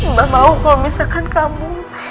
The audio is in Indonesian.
mbah mau kalau misalkan kamu